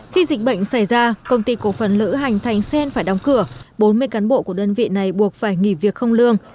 khi dịch bệnh xảy ra công ty cổ phần lữ hành thành sen phải đóng cửa bốn mươi cán bộ của đơn vị này buộc phải nghỉ việc không lương